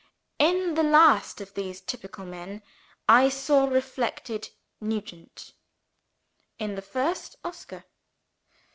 In the last of these typical men, I saw reflected Nugent. In the first Oscar.